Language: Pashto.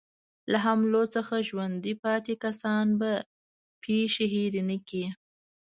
له حملو څخه ژوندي پاتې کسان به پېښې هېرې نه کړي.